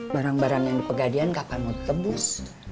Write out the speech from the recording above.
barang barang yang dipegadian kapan mau tebus